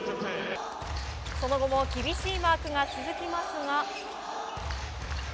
その後も厳しいマークが続きますが。